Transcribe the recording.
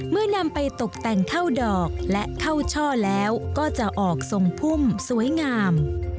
เมื่อนำไปตกแต่งเท่าดอกและเข้าช่อแล้วก็จะออกทรงพุ่มสวยงาม